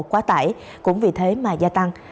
quá tải cũng vì thế mà gia tăng